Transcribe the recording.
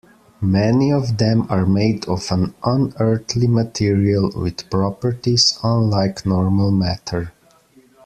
Many of them are made of an unearthly material with properties unlike normal matter.